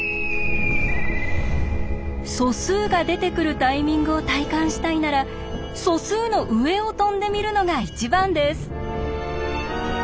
素数が出てくるタイミングを体感したいなら素数の上を飛んでみるのが一番です。